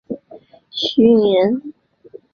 许允人。